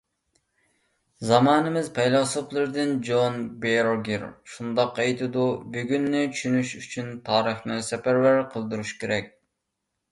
زامانىمىز پەيلاسوپلىرىدىن جون بېرگېر شۇنداق ئېيتىدۇ: «بۈگۈننى چۈشىنىش ئۈچۈن تارىخنى سەپەرۋەر قىلدۇرۇش كېرەك».